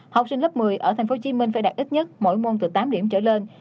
học sinh lớp một mươi ở tp hcm phải đạt ít nhất mỗi môn từ tám điểm trở lên